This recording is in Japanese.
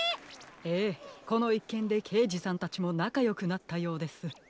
ええこのいっけんでけいじさんたちもなかよくなったようです。